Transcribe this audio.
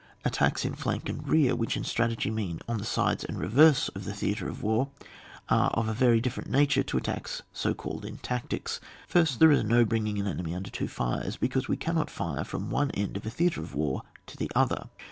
Attacks in flank and rear, which in strategy mfcn on the sides and reverse «f the theatre of war, are of a very different nafure to attacks so caUed in tactics. 1st. There is no bringing the enemy under two fires, because we cannot fire from one end of a theatre of wax to the other.